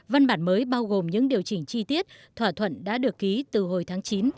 văn bản mới bao gồm những điều chỉnh chi tiết thỏa thuận đã được ký từ hồi tháng chín